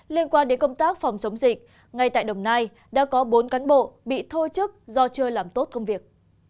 liên quan đến công tác phòng chống dịch ngay tại đồng nai đã có bốn cán bộ bị thôi chức do chưa làm tốt công việc